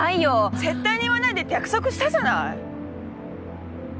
絶対に言わないでって約束したじゃない！